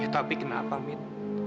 tapi kenapa mit